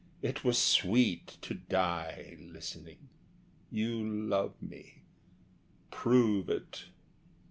It were sweet to die Listening! You love me prove it.